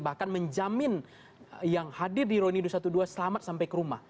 bahkan menjamin yang hadir di reuni dua ratus dua belas selamat sampai ke rumah